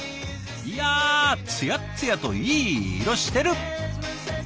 いやつやっつやといい色してる！